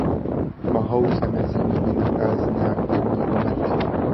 Mohou se mezi nimi nacházet neaktivní komety.